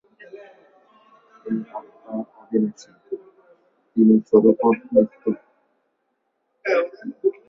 এই আত্মা অবিনাশী, তিনি স্বরূপত নিত্য।